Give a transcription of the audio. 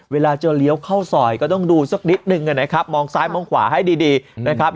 เวลาจะเลี้ยวเข้าซอยก็ต้องดูสักนิดนึงนะครับมองซ้ายมองขวาให้ดีนะครับ